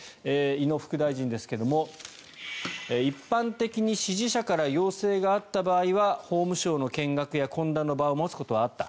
井野副大臣ですが一般的に支持者から要請があった場合は法務省の見学や懇談の場を持つことはあった